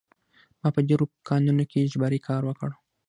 ما په ډېرو کانونو کې اجباري کار وکړ